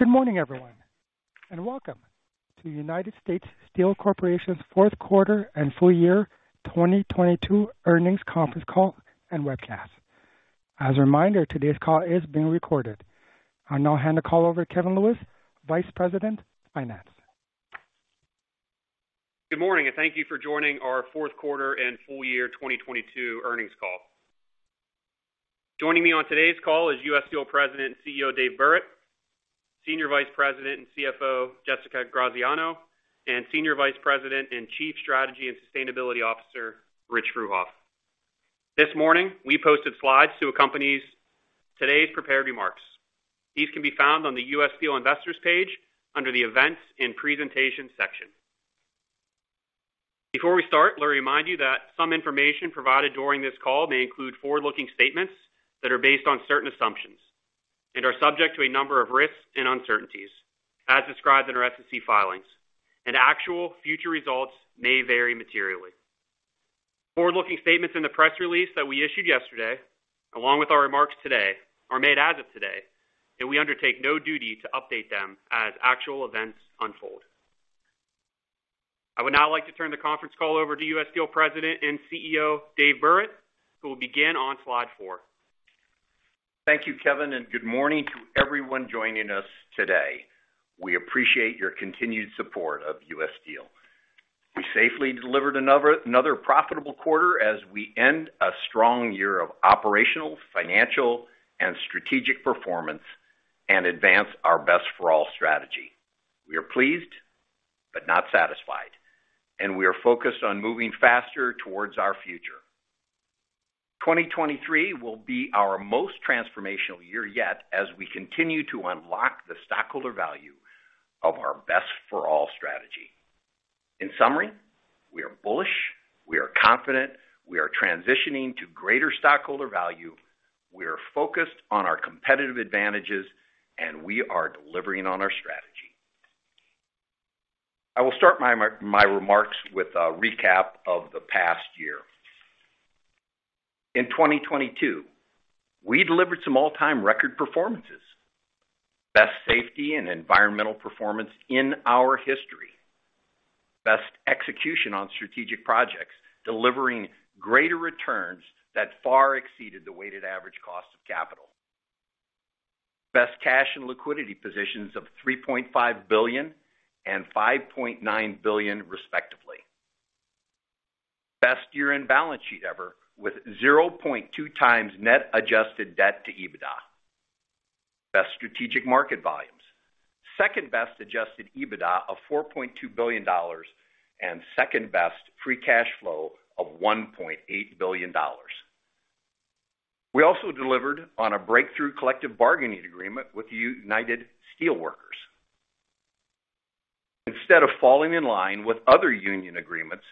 Good morning, everyone, and welcome to the United States Steel Corporation's Q4 and full year 2022 earnings conference call and webcast. As a reminder, today's call is being recorded. I'll now hand the call over to Kevin Lewis, Vice President, Finance. Good morning. Thank you for joining our Q4 and full year 2022 earnings call. Joining me on today's call is U.S. Steel President and CEO, Dave Burritt, Senior Vice President and CFO, Jessica Graziano, and Senior Vice President and Chief Strategy and Sustainability Officer, Rich Fruehauf. This morning, we posted slides to accompany today's prepared remarks. These can be found on the U.S. Steel Investors page under the Events and Presentation section. Before we start, let me remind you that some information provided during this call may include forward-looking statements that are based on certain assumptions and are subject to a number of risks and uncertainties as described in our SEC filings. Actual future results may vary materially. Forward-looking statements in the press release that we issued yesterday, along with our remarks today, are made as of today, and we undertake no duty to update them as actual events unfold. I would now like to turn the conference call over to U.S. Steel President and CEO, Dave Burritt, who will begin on slide four. Thank you, Kevin. Good morning to everyone joining us today. We appreciate your continued support of U.S. Steel. We safely delivered another profitable quarter as we end a strong year of operational, financial, and strategic performance and advance our Best for All strategy. We are pleased, but not satisfied, and we are focused on moving faster towards our future. 2023 will be our most transformational year yet as we continue to unlock the stockholder value of our Best for All strategy. In summary, we are bullish, we are confident, we are transitioning to greater stockholder value, we are focused on our competitive advantages, and we are delivering on our strategy. I will start my remarks with a recap of the past year. In 2022, we delivered some all-time record performances. Best safety and environmental performance in our history. Best execution on strategic projects, delivering greater returns that far exceeded the weighted average cost of capital. Best cash and liquidity positions of $3.5 billion and $5.9 billion, respectively. Best year-end balance sheet ever, with 0.2x net adjusted debt to EBITDA. Best strategic market volumes. Second-best adjusted EBITDA of $4.2 billion and second-best free cash flow of $1.8 billion. We also delivered on a breakthrough collective bargaining agreement with the United Steelworkers. Instead of falling in line with other union agreements,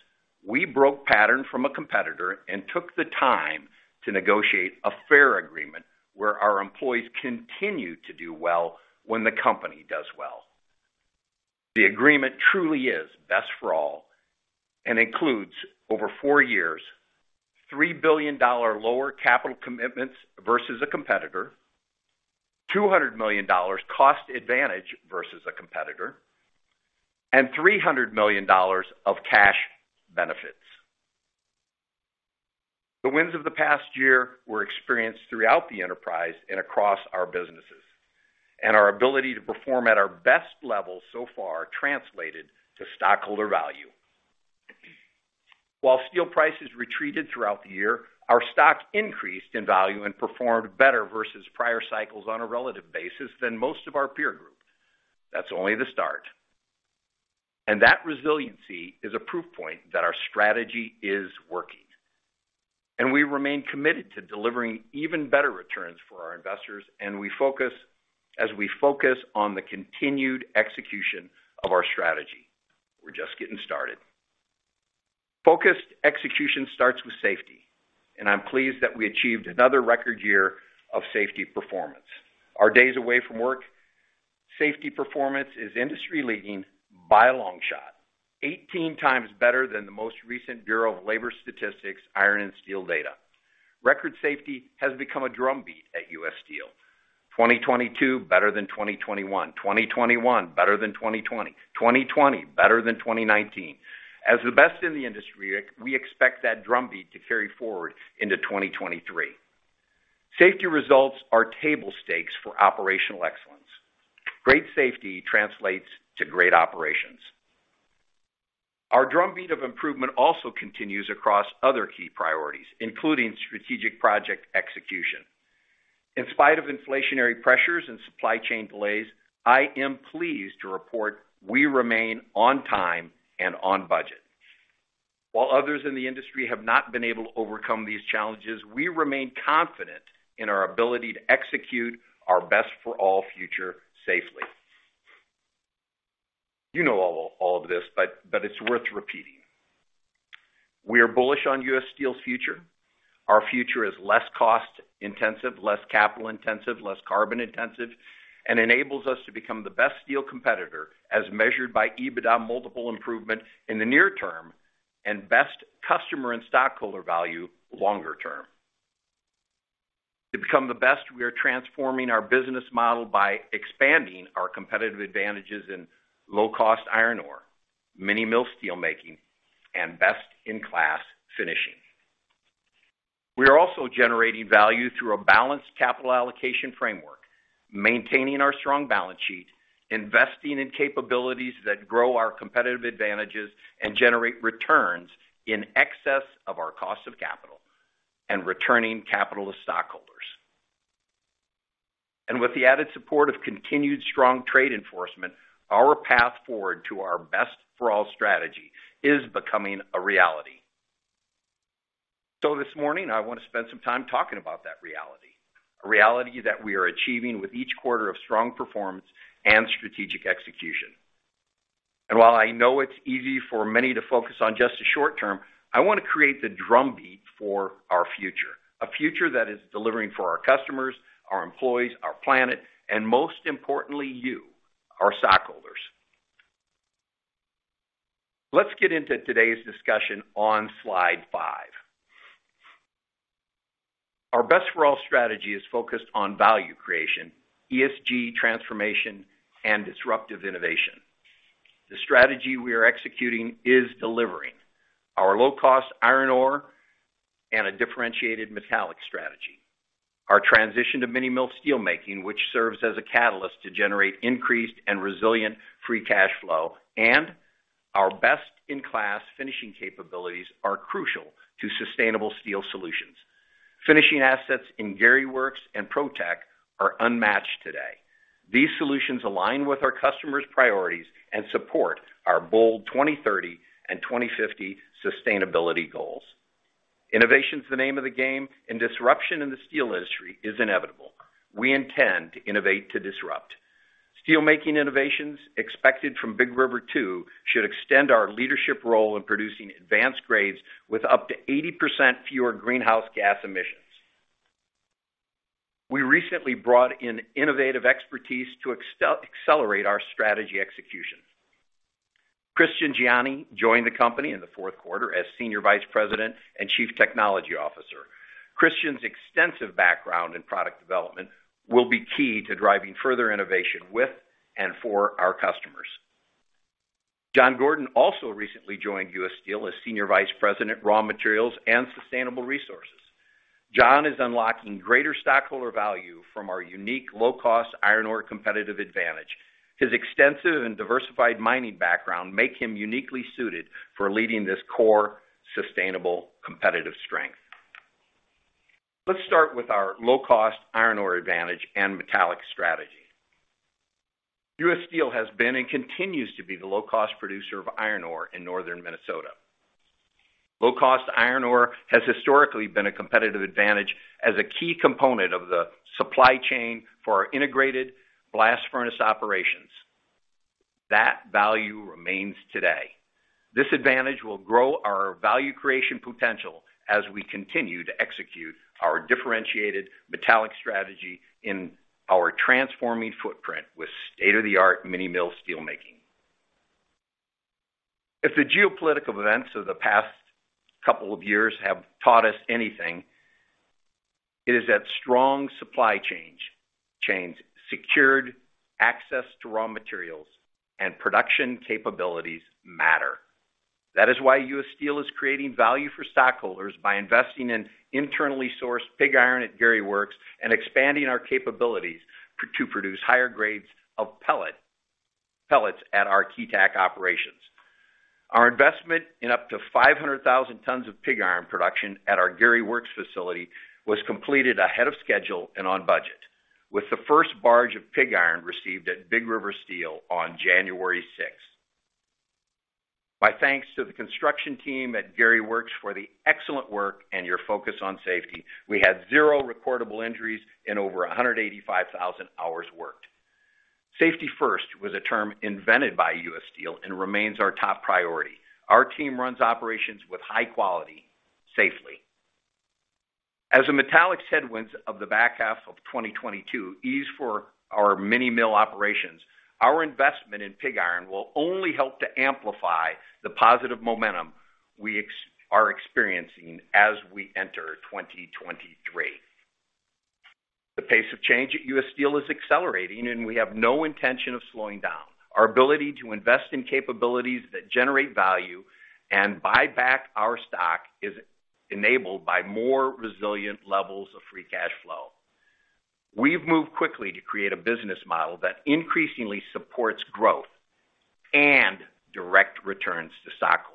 we broke pattern from a competitor and took the time to negotiate a fair agreement where our employees continue to do well when the company does well. The agreement truly is Best for All and includes over four years, $3 billion lower capital commitments versus a competitor, $200 million cost advantage versus a competitor, and $300 million of cash benefits. Our ability to perform at our best level so far translated to stockholder value. While steel prices retreated throughout the year, our stock increased in value and performed better versus prior cycles on a relative basis than most of our peer group. That's only the start. That resiliency is a proof point that our strategy is working. We remain committed to delivering even better returns for our investors, as we focus on the continued execution of our strategy. We're just getting started. Focused execution starts with safety. I'm pleased that we achieved another record year of safety performance. Our days away from work safety performance is industry-leading by a long shot. 18x better than the most recent Bureau of Labor Statistics Iron and Steel data. Record safety has become a drumbeat at U.S. Steel. 2022, better than 2021. 2021, better than 2020. 2020, better than 2019. As the best in the industry, we expect that drumbeat to carry forward into 2023. Safety results are table stakes for operational excellence. Great safety translates to great operations. Our drumbeat of improvement also continues across other key priorities, including strategic project execution. In spite of inflationary pressures and supply chain delays, I am pleased to report we remain on time and on budget. While others in the industry have not been able to overcome these challenges, we remain confident in our ability to execute our Best for All future safely. You know all of this, but it's worth repeating. We are bullish on U.S. Steel's future. Our future is less cost-intensive, less capital-intensive, less carbon-intensive, and enables us to become the best steel competitor as measured by EBITDA multiple improvement in the near term and best customer and stockholder value longer term. To become the best, we are transforming our business model by expanding our competitive advantages in low-cost iron ore, Mini Mill steel making, and best-in-class finishing. We are also generating value through a balanced capital allocation framework, maintaining our strong balance sheet, investing in capabilities that grow our competitive advantages and generate returns in excess of our cost of capital and returning capital to stockholders. With the added support of continued strong trade enforcement, our path forward to our Best for All strategy is becoming a reality. This morning, I wanna spend some time talking about that reality. A reality that we are achieving with each quarter of strong performance and strategic execution. While I know it's easy for many to focus on just the short term, I wanna create the drumbeat for our future. A future that is delivering for our customers, our employees, our planet, and most importantly, you, our stockholders. Let's get into today's discussion on slide five. Our Best for All strategy is focused on value creation, ESG transformation, and disruptive innovation. The strategy we are executing is delivering our low-cost iron ore and a differentiated metallic strategy. Our transition to Mini Mill steelmaking, which serves as a catalyst to generate increased and resilient free cash flow, and our best-in-class finishing capabilities are crucial to sustainable steel solutions. Finishing assets in Gary Works and PRO-TEC are unmatched today. These solutions align with our customers' priorities and support our bold 2030 and 2050 sustainability goals. Innovation is the name of the game, disruption in the steel industry is inevitable. We intend to innovate to disrupt. Steelmaking innovations expected from Big River Two should extend our leadership role in producing advanced grades with up to 80% fewer greenhouse gas emissions. We recently brought in innovative expertise to accelerate our strategy execution. Christian Gianni joined the company in the Q4 as Senior Vice President and Chief Technology Officer. Christian's extensive background in product development will be key to driving further innovation with and for our customers. John Gordon also recently joined U.S. Steel as Senior Vice President, Raw Materials and Sustainable Resources. John is unlocking greater stockholder value from our unique low-cost iron ore competitive advantage. His extensive and diversified mining background make him uniquely suited for leading this core, sustainable, competitive strength. Let's start with our low-cost iron ore advantage and metallic strategy. U.S. Steel has been and continues to be the low-cost producer of iron ore in northern Minnesota. Low-cost iron ore has historically been a competitive advantage as a key component of the supply chain for our integrated blast furnace operations. That value remains today. This advantage will grow our value creation potential as we continue to execute our differentiated metallic strategy in our transforming footprint with state-of-the-art mini mill steel making. If the geopolitical events of the past couple of years have taught us anything, it is that strong supply chains, secured access to raw materials and production capabilities matter. That is why U.S. Steel is creating value for stockholders by investing in internally sourced pig iron at Gary Works and expanding our capabilities to produce higher grades of pellets at our Keetac operations. Our investment in up to 500,000 tons of pig iron production at our Gary Works facility was completed ahead of schedule and on budget, with the first barge of pig iron received at Big River Steel on January 6. My thanks to the construction team at Gary Works for the excellent work and your focus on safety. We had zero recordable injuries in over 185,000 hours worked. Safety first was a term invented by U.S. Steel and remains our top priority. Our team runs operations with high quality safely. As the metallic headwinds of the back half of 2022 ease for our Mini Mill operations, our investment in pig iron will only help to amplify the positive momentum we are experiencing as we enter 2023. The pace of change at U.S. Steel is accelerating, and we have no intention of slowing down. Our ability to invest in capabilities that generate value and buy back our stock is enabled by more resilient levels of free cash flow. We've moved quickly to create a business model that increasingly supports growth and direct returns to stockholders.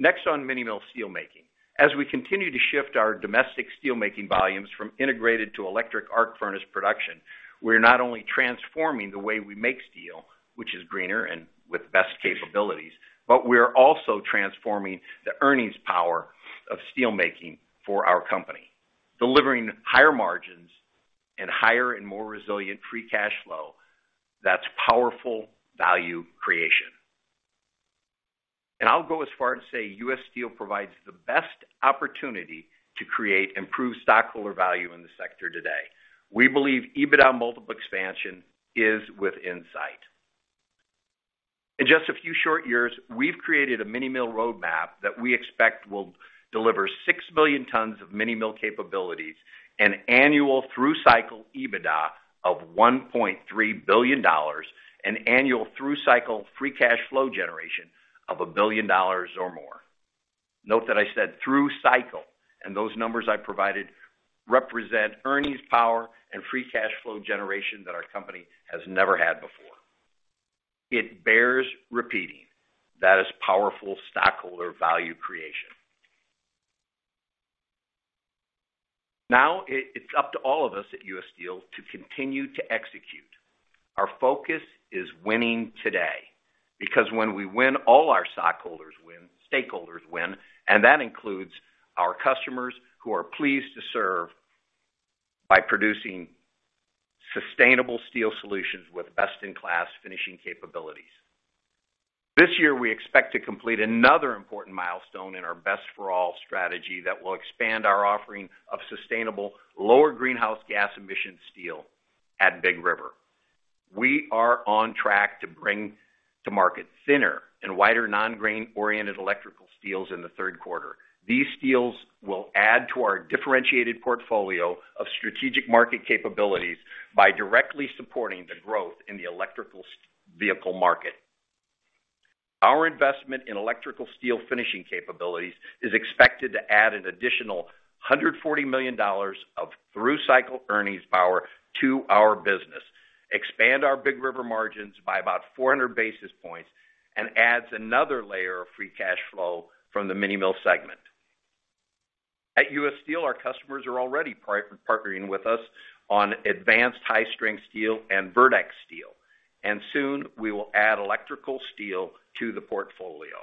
Next on Mini Mill steel making. As we continue to shift our domestic steel making volumes from integrated to electric arc furnace production, we're not only transforming the way we make steel, which is greener and with best capabilities, but we are also transforming the earnings power of steel making for our company. Delivering higher margins and higher and more resilient free cash flow, that's powerful value creation. I'll go as far as to say, U.S. Steel provides the best opportunity to create improved stockholder value in the sector today. We believe EBITDA multiple expansion is with insight. In just a few short years, we've created a Mini Mill roadmap that we expect will deliver 6 billion tons of Mini Mill capabilities, an annual through-cycle EBITDA of $1.3 billion, an annual through-cycle free cash flow generation of $1 billion or more. Note that I said through cycle, and those numbers I provided represent earnings power and free cash flow generation that our company has never had before. It bears repeating. That is powerful stockholder value creation. It's up to all of us at U.S. Steel to continue to execute. Our focus is winning today because when we win, all our stockholders win, and that includes our customers who are pleased to serve by producing sustainable steel solutions with best-in-class finishing capabilities. This year, we expect to complete another important milestone in our Best for All strategy that will expand our offering of sustainable lower greenhouse gas emission steel at Big River. We are on track to bring to market thinner and wider non-grain-oriented electrical steels in the Q3. These steels will add to our differentiated portfolio of strategic market capabilities by directly supporting the growth in the electrical vehicle market. Our investment in electrical steel finishing capabilities is expected to add an additional $140 million of through-cycle earnings power to our business, expand our Big River margins by about 400 basis points, and adds another layer of free cash flow from the Mini Mill segment. At U.S. Steel, our customers are already partnering with us on Advanced High-Strength Steel and verdeX steel. Soon, we will add electrical steel to the portfolio.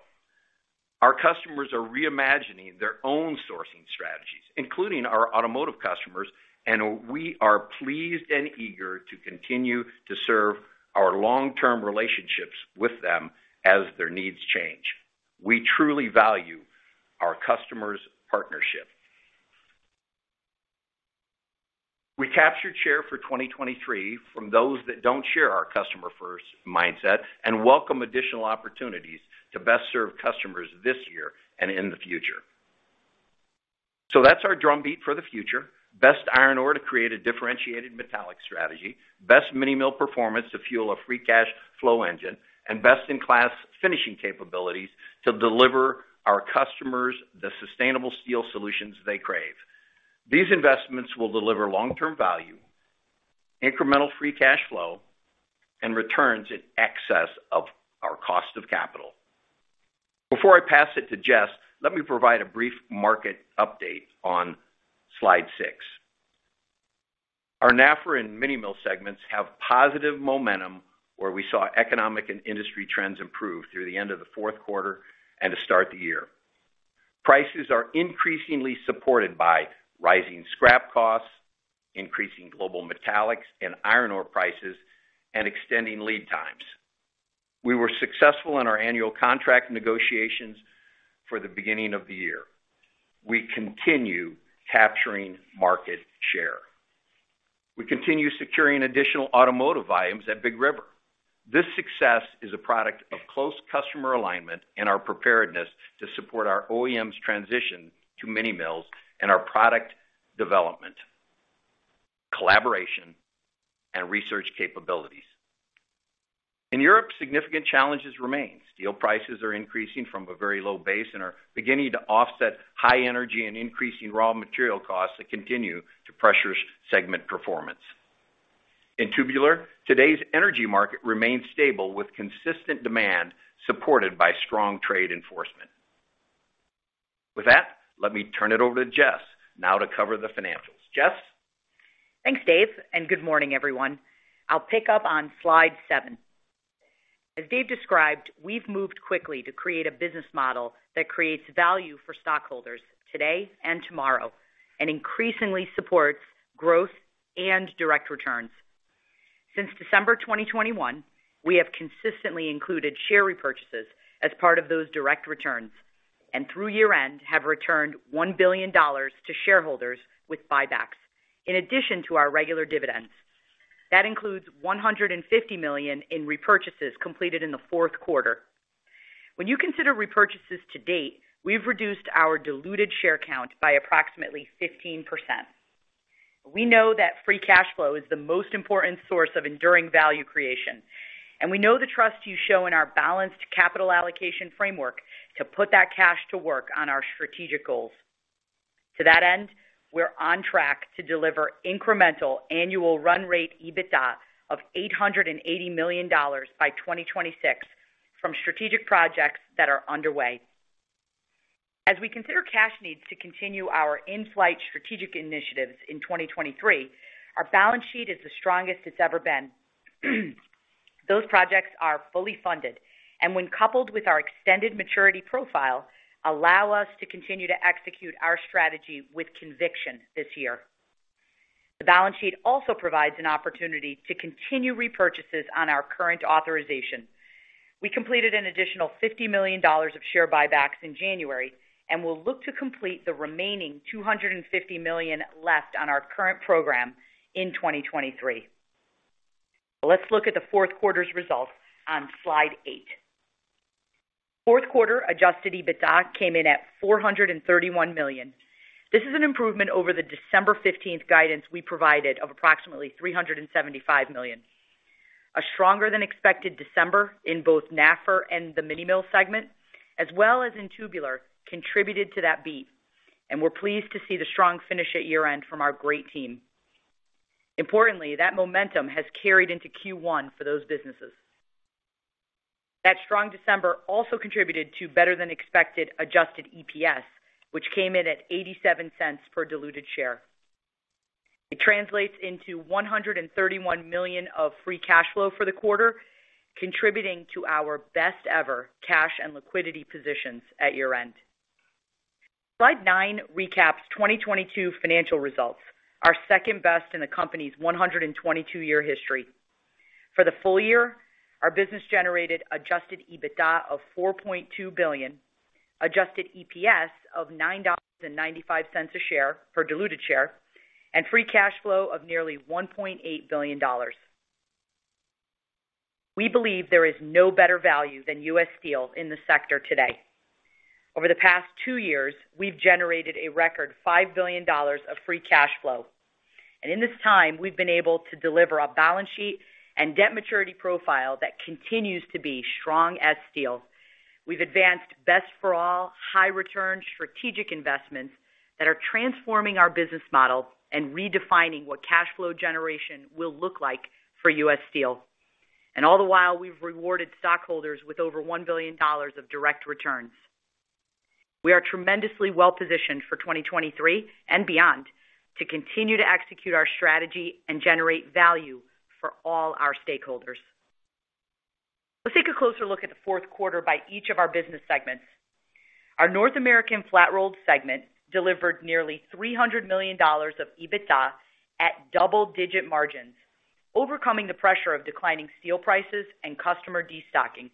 Our customers are reimagining their own sourcing strategies, including our automotive customers, and we are pleased and eager to continue to serve our long-term relationships with them as their needs change. We truly value our customers' partnership. We captured share for 2023 from those that don't share our customer-first mindset and welcome additional opportunities to best serve customers this year and in the future. That's our drumbeat for the future. Best iron ore to create a differentiated metallic strategy, best Mini Mill performance to fuel a free cash flow engine, and best-in-class finishing capabilities to deliver our customers the sustainable steel solutions they crave. These investments will deliver long-term value, incremental free cash flow, and returns in excess of our cost of capital. Before I pass it to Jess, let me provide a brief market update on slide six. Our NAFRA and Mini Mill segments have positive momentum where we saw economic and industry trends improve through the end of the Q4 and to start the year. Prices are increasingly supported by rising scrap costs, increasing global metallics and iron ore prices, and extending lead times. We were successful in our annual contract negotiations for the beginning of the year. We continue capturing market share. We continue securing additional automotive volumes at Big River. This success is a product of close customer alignment and our preparedness to support our OEMs transition to Mini Mills and our product development, collaboration, and research capabilities. In Europe, significant challenges remain. Steel prices are increasing from a very low base and are beginning to offset high energy and increasing raw material costs that continue to pressure segment performance. In Tubular, today's energy market remains stable with consistent demand supported by strong trade enforcement. Let me turn it over to Jess now to cover the financials. Jess? Thanks, Dave. Good morning, everyone. I'll pick up on slide seven. As Dave described, we've moved quickly to create a business model that creates value for stockholders today and tomorrow and increasingly supports growth and direct returns. Since December 2021, we have consistently included share repurchases as part of those direct returns. Through year-end have returned $1 billion to shareholders with buybacks. In addition to our regular dividends. That includes $150 million in repurchases completed in the Q4. When you consider repurchases to date, we've reduced our diluted share count by approximately 15%. We know that free cash flow is the most important source of enduring value creation. We know the trust you show in our balanced capital allocation framework to put that cash to work on our strategic goals. To that end, we're on track to deliver incremental annual run rate EBITDA of $880 million by 2026 from strategic projects that are underway. As we consider cash needs to continue our in-flight strategic initiatives in 2023, our balance sheet is the strongest it's ever been. Those projects are fully funded. When coupled with our extended maturity profile, allow us to continue to execute our strategy with conviction this year. The balance sheet also provides an opportunity to continue repurchases on our current authorization. We completed an additional $50 million of share buybacks in January and will look to complete the remaining $250 million left on our current program in 2023. Let's look at the Q4's results on slide eight. Q4 adjusted EBITDA came in at $431 million. This is an improvement over the December 15th guidance we provided of approximately $375 million. A stronger than expected December in both NAFR and the Mini Mill segment, as well as in Tubular, contributed to that beat. We're pleased to see the strong finish at year-end from our great team. Importantly, that momentum has carried into Q1 for those businesses. That strong December also contributed to better than expected adjusted EPS, which came in at $0.87 per diluted share. It translates into $131 million of free cash flow for the quarter, contributing to our best ever cash and liquidity positions at year-end. Slide nine recaps 2022 financial results, our second best in the company's 122-year history. For the full year, our business generated adjusted EBITDA of $4.2 billion, adjusted EPS of $9.95 a share per diluted share, and free cash flow of nearly $1.8 billion. We believe there is no better value than U.S. Steel in the sector today. Over the past two years, we've generated a record $5 billion of free cash flow. In this time, we've been able to deliver a balance sheet and debt maturity profile that continues to be strong as steel. We've advanced Best for All high return strategic investments that are transforming our business model and redefining what cash flow generation will look like for U.S. Steel. All the while, we've rewarded stockholders with over $1 billion of direct returns. We are tremendously well-positioned for 2023 and beyond to continue to execute our strategy and generate value for all our stakeholders. Let's take a closer look at the Q4 by each of our business segments. Our North American Flat-Rolled segment delivered nearly $300 million of EBITDA at double-digit margins, overcoming the pressure of declining steel prices and customer destocking.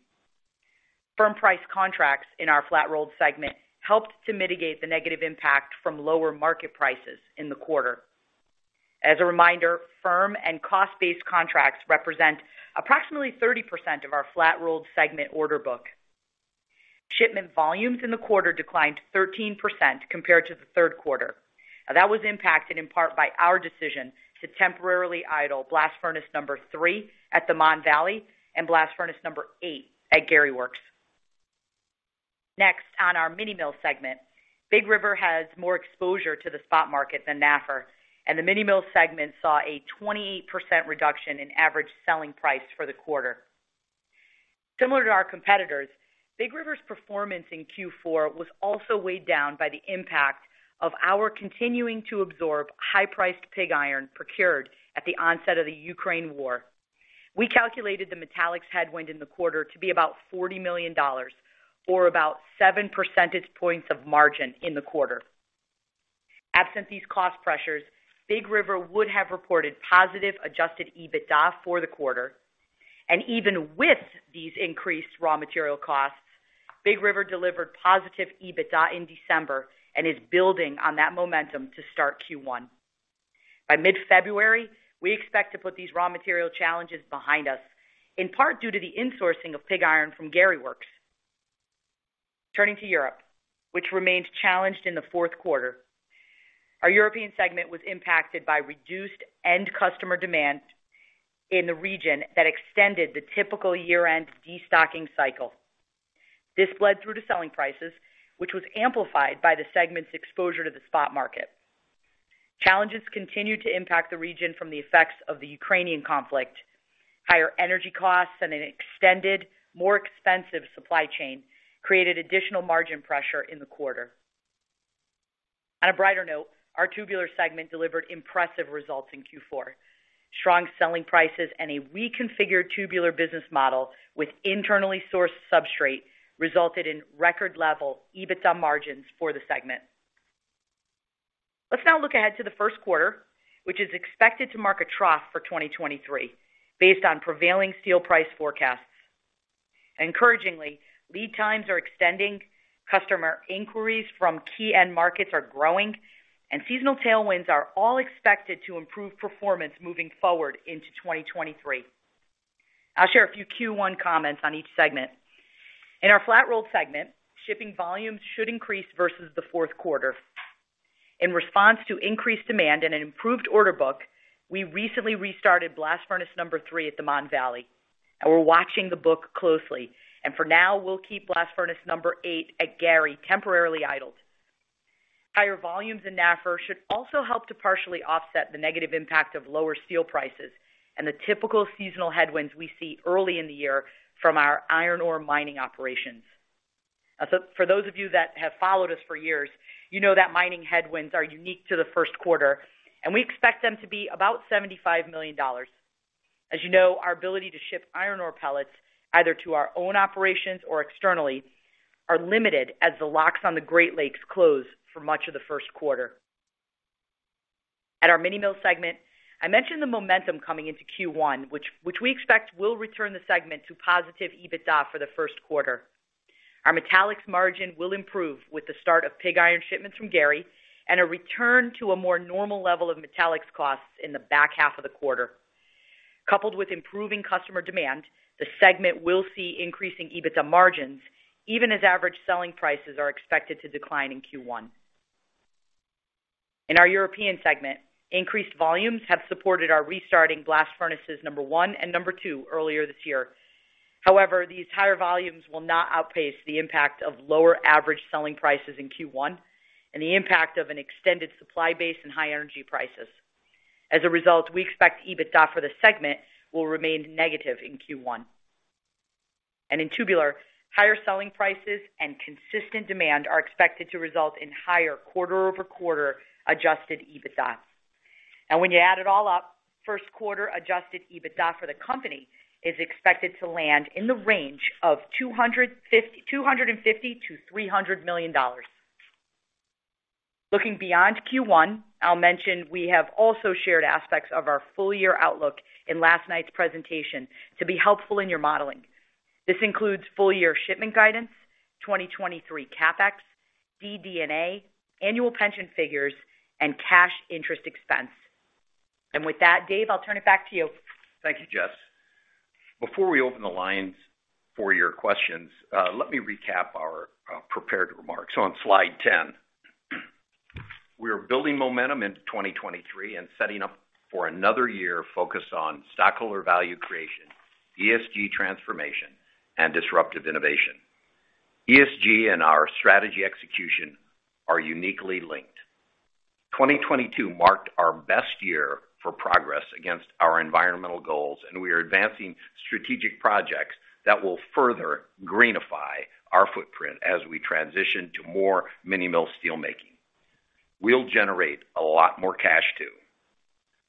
Firm price contracts in our Flat-Rolled segment helped to mitigate the negative impact from lower market prices in the quarter. As a reminder, firm and cost-based contracts represent approximately 30% of our Flat-Rolled segment order book. Shipment volumes in the quarter declined 13% compared to the Q3. That was impacted in part by our decision to temporarily idle blast furnace number three at the Mon Valley and blast furnace number eight at Gary Works. Next, on our Mini Mill segment, Big River has more exposure to the spot market than NAFR, and the Mini Mill segment saw a 28% reduction in average selling price for the quarter. Similar to our competitors, Big River's performance in Q4 was also weighed down by the impact of our continuing to absorb high-priced pig iron procured at the onset of the Ukraine war. We calculated the metallics headwind in the quarter to be about $40 million or about 7 percentage points of margin in the quarter. Absent these cost pressures, Big River would have reported positive adjusted EBITDA for the quarter. Even with these increased raw material costs, Big River delivered positive EBITDA in December and is building on that momentum to start Q1. By mid-February, we expect to put these raw material challenges behind us, in part due to the insourcing of pig iron from Gary Works. Turning to Europe, which remains challenged in the Q4. Our European segment was impacted by reduced end customer demand in the region that extended the typical year-end destocking cycle. This bled through to selling prices, which was amplified by the segment's exposure to the spot market. Challenges continued to impact the region from the effects of the Ukrainian conflict. Higher energy costs and an extended, more expensive supply chain created additional margin pressure in the quarter. On a brighter note, our Tubular segment delivered impressive results in Q4. Strong selling prices and a reconfigured Tubular business model with internally sourced substrate resulted in record level EBITDA margins for the segment. Let's now look ahead to the 1st quarter, which is expected to mark a trough for 2023 based on prevailing steel price forecasts. Encouragingly, lead times are extending, customer inquiries from key end markets are growing, and seasonal tailwinds are all expected to improve performance moving forward into 2023. I'll share a few Q1 comments on each segment. In our Flat-Rolled segment, shipping volumes should increase versus the Q4. In response to increased demand and an improved order book, we recently restarted blast furnace number three at the Mon Valley. We're watching the book closely. For now, we'll keep blast furnace number 8 at Gary temporarily idled. Higher volumes in NAFR should also help to partially offset the negative impact of lower steel prices and the typical seasonal headwinds we see early in the year from our iron ore mining operations. For those of you that have followed us for years, you know that mining headwinds are unique to the Q1, and we expect them to be about $75 million. As you know, our ability to ship iron ore pellets, either to our own operations or externally, are limited as the locks on the Great Lakes close for much of the Q1. At our Mini Mill segment, I mentioned the momentum coming into Q1, which we expect will return the segment to positive EBITDA for the Q1. Our metallics margin will improve with the start of pig iron shipments from Gary and a return to a more normal level of metallics costs in the back half of the quarter. Coupled with improving customer demand, the segment will see increasing EBITDA margins even as average selling prices are expected to decline in Q1. In our European segment, increased volumes have supported our restarting blast furnaces number 1 and number 2 earlier this year. However, these higher volumes will not outpace the impact of lower average selling prices in Q1 and the impact of an extended supply base and high energy prices. As a result, we expect EBITDA for the segment will remain negative in Q1. In Tubular, higher selling prices and consistent demand are expected to result in higher quarter-over-quarter adjusted EBITDA. When you add it all up, Q1 adjusted EBITDA for the company is expected to land in the range of $250 million-$300 million. Looking beyond Q1, I'll mention we have also shared aspects of our full-year outlook in last night's presentation to be helpful in your modeling. This includes full-year shipment guidance, 2023 CapEx, DD&A, annual pension figures, and cash interest expense. With that, Dave, I'll turn it back to you. Thank you, Jess. Before we open the lines for your questions, let me recap our prepared remarks on slide 10. We are building momentum into 2023 and setting up for another year focused on stockholder value creation, ESG transformation, and disruptive innovation. ESG and our strategy execution are uniquely linked. 2022 marked our best year for progress against our environmental goals, and we are advancing strategic projects that will further greenify our footprint as we transition to more Mini Mill steel making. We'll generate a lot more cash, too.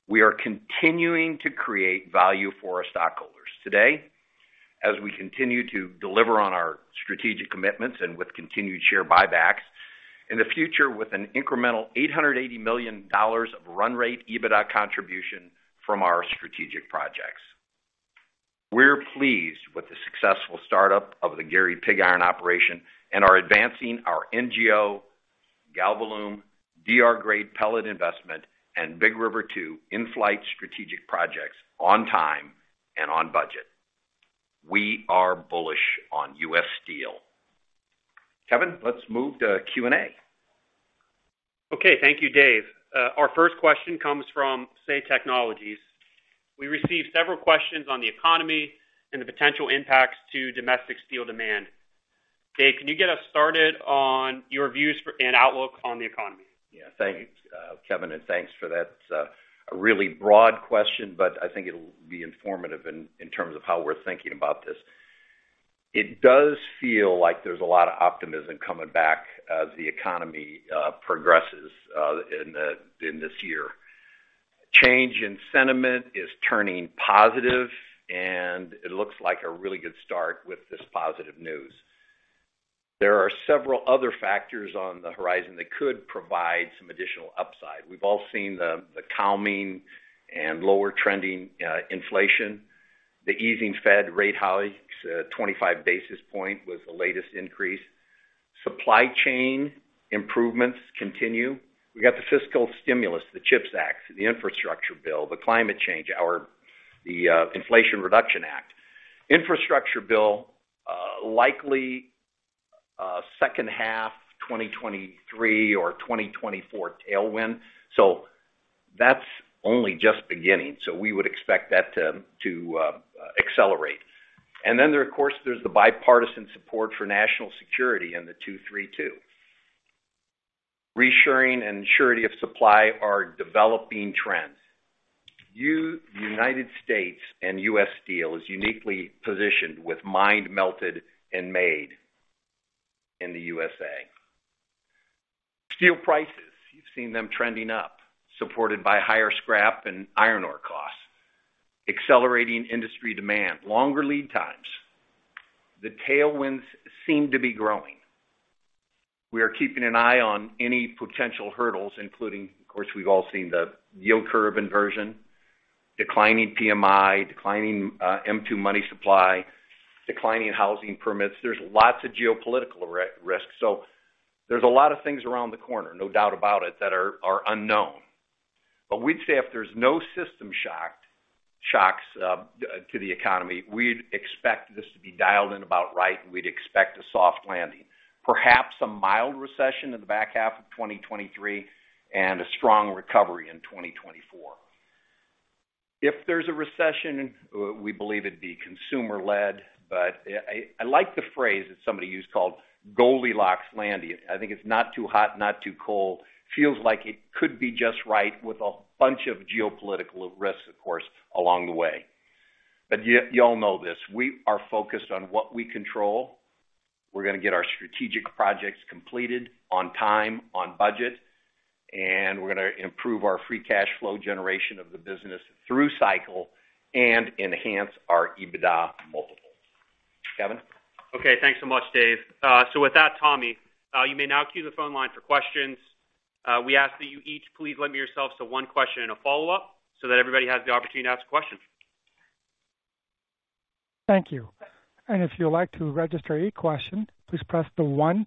We are continuing to create value for our stockholders today as we continue to deliver on our strategic commitments and with continued share buybacks. In the future, with an incremental $880 million of run rate EBITDA contribution from our strategic projects. We're pleased with the successful startup of the Gary pig iron operation and are advancing our NGO, GALVALUME, DR-grade pellet investment, and Big River Two in-flight strategic projects on time and on budget. We are bullish on U.S. Steel. Kevin, let's move to Q&A. Okay. Thank you, Dave. Our first question comes from Say Technologies. We received several questions on the economy and the potential impacts to domestic steel demand. Dave, can you get us started on your views and outlook on the economy? Yeah. Thank Kevin, and thanks for that really broad question, but I think it'll be informative in terms of how we're thinking about this. It does feel like there's a lot of optimism coming back as the economy progresses in this year. Change in sentiment is turning positive, it looks like a really good start with this positive news. There are several other factors on the horizon that could provide some additional upside. We've all seen the calming and lower trending inflation, the easing Fed rate hikes, 25 basis point was the latest increase. Supply chain improvements continue. We got the fiscal stimulus, the CHIPS Act, the infrastructure bill, the climate change, the Inflation Reduction Act. Infrastructure bill, likely H2 2023 or 2024 tailwind. That's only just beginning, so we would expect that to accelerate. Then there, of course, there's the bipartisan support for national security in the 232. Reassuring and surety of supply are developing trends. United States and U.S. Steel is uniquely positioned with mined, melted, and made in the USA. Steel prices, you've seen them trending up, supported by higher scrap and iron ore costs, accelerating industry demand, longer lead times. The tailwinds seem to be growing. We are keeping an eye on any potential hurdles, including, of course, we've all seen the yield curve inversion, declining PMI, declining M2 money supply, declining housing permits. There's lots of geopolitical re-risks. There's a lot of things around the corner, no doubt about it, that are unknown. We'd say if there's no system shocks to the economy, we'd expect this to be dialed in about right, and we'd expect a soft landing. Perhaps a mild recession in the back half of 2023 and a strong recovery in 2024. If there's a recession, we believe it'd be consumer-led. I like the phrase that somebody used called Goldilocks landing. I think it's not too hot, not too cold. Feels like it could be just right with a bunch of geopolitical risks, of course, along the way. Y'all know this. We are focused on what we control. We're gonna get our strategic projects completed on time, on budget, and we're gonna improve our free cash flow generation of the business through cycle and enhance our EBITDA multiples. Kevin? Okay. Thanks so much, Dave. With that, Tommy, you may now queue the phone line for questions. We ask that you each please limit yourselves to one question and a follow-up so that everybody has the opportunity to ask a question. Thank you. If you'd like to register a question, please press the one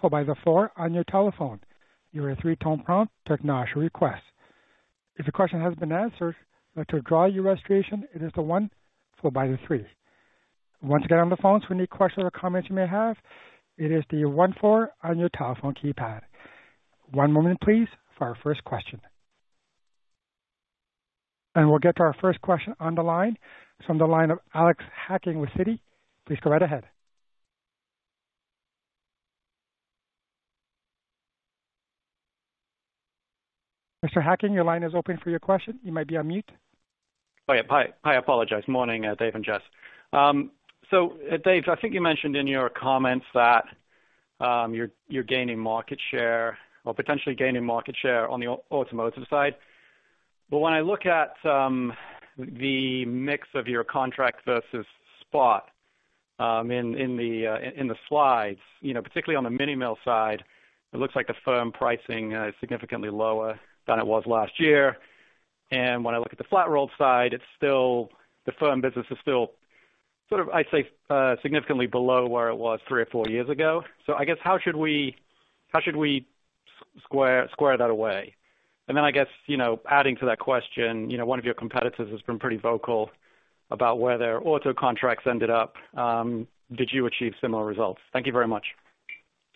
followed by the four on your telephone. You will hear a 3-tone prompt to acknowledge your request. If your question has been answered, to withdraw your registration, it is the one followed by the three. Once again, on the phone, any questions or comments you may have, it is the one four on your telephone keypad. One moment please for our first question. We'll get to our first question on the line. It's from the line of Alex Hacking with Citi. Please go right ahead. Mr. Hacking, your line is open for your question. You might be on mute. Oh, yeah. Hi. I apologize. Morning, Dave and Jess. Dave, I think you mentioned in your comments that you're gaining market share or potentially gaining market share on the automotive side. When I look at the mix of your contract versus spot in the slides, you know, particularly on the Mini Mill side, it looks like the firm pricing is significantly lower than it was last year. When I look at the flat rolled side, the firm business is still sort of, I'd say, significantly below where it was three or four years ago. I guess how should we square that away? I guess, you know, adding to that question, you know, one of your competitors has been pretty vocal about where their auto contracts ended up. Did you achieve similar results? Thank you very much.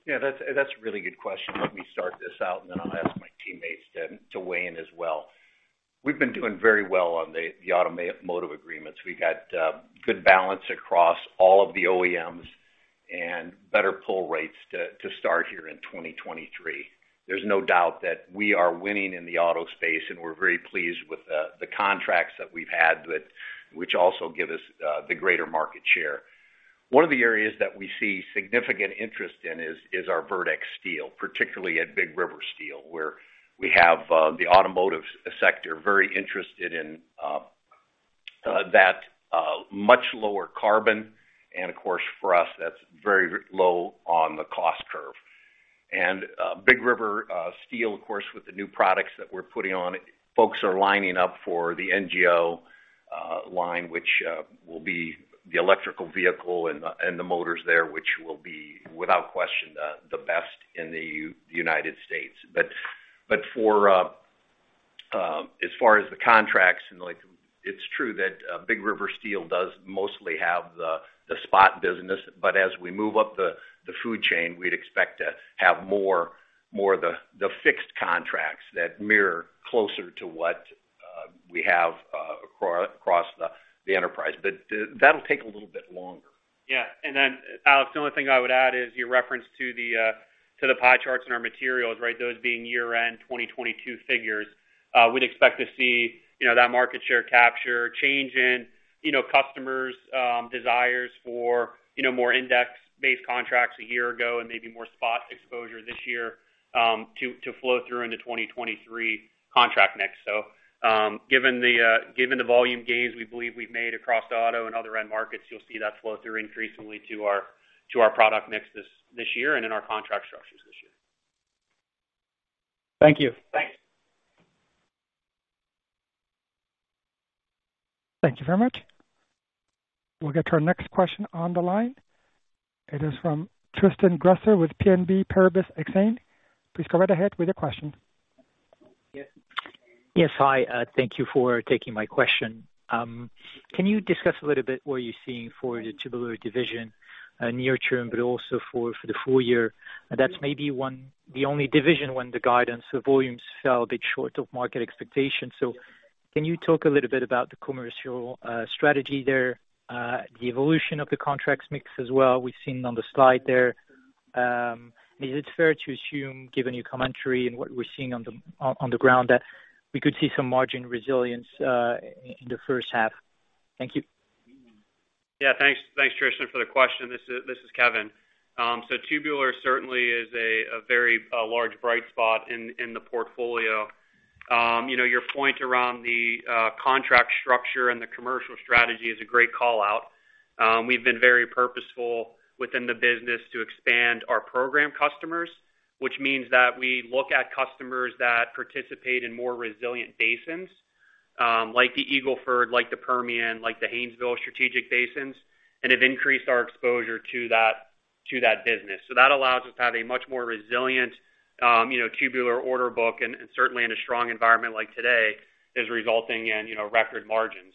Yeah, that's a really good question. Let me start this out, and then I'll ask my teammates to weigh in as well. We've been doing very well on the automotive agreements. We got good balance across all of the OEMs and better pull rates to start here in 2023. There's no doubt that we are winning in the auto space, and we're very pleased with the contracts that we've had with which also give us the greater market share. One of the areas that we see significant interest in is our verdeX steel, particularly at Big River Steel, where we have the automotive sector very interested in that much lower carbon. Of course, for us, that's very low on the cost curve. Big River Steel, of course, with the new products that we're putting on it, folks are lining up for the NGO line, which will be the electrical vehicle and the motors there, which will be, without question, the best in the United States. For as far as the contracts, and like it's true that Big River Steel does mostly have the spot business, but as we move up the food chain, we'd expect to have more, more of the fixed contracts that mirror closer to what we have across the enterprise. That'll take a little bit longer. Yeah. Alex, the only thing I would add is your reference to the pie charts in our materials, right? Those being year-end 2022 figures. We'd expect to see, you know, that market share capture change in, you know, customers', desires for, you know, more index-based contracts a year ago and maybe more spot exposure this year, to flow through into 2023 contract mix. Given the volume gains we believe we've made across auto and other end markets, you'll see that flow through increasingly to our product mix this year and in our contract structures this year. Thank you. Thanks. Thank you very much. We'll get to our next question on the line. It is from Tristan Gresser with BNP Paribas Exane. Please go right ahead with your question. Yes. Hi. Thank you for taking my question. Can you discuss a little bit what you're seeing for the Tubular division near term, but also for the full year? That's maybe the only division when the guidance, the volumes fell a bit short of market expectations. Can you talk a little bit about the commercial strategy there, the evolution of the contracts mix as well? We've seen on the slide there. Is it fair to assume, given your commentary and what we're seeing on the ground, that we could see some margin resilience in the H1? Thank you. Thanks. Thanks, Tristan, for the question. This is Kevin. Tubular certainly is a very large bright spot in the portfolio. You know, your point around the contract structure and the commercial strategy is a great call-out. We've been very purposeful within the business to expand our program customers, which means that we look at customers that participate in more resilient basins, like the Eagle Ford, like the Permian, like the Haynesville strategic basins, and have increased our exposure to that business. That allows us to have a much more resilient, you know, Tubular order book, and certainly in a strong environment like today is resulting in, you know, record margins.